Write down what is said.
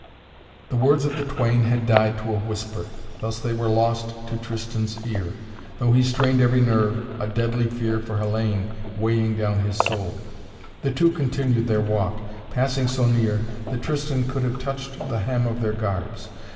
The words of the twain had died to a whisper. Thus they were lost to Tristan's ear, though he strained every nerve, a deadly fear for Hellayne weighting down his soul. The two continued their walk, passing so near that Tristan could have touched the hem of their garbs.